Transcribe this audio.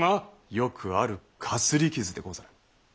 よくあるかすり傷でござる。